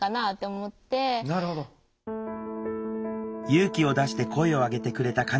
勇気を出して声を上げてくれた彼女たち。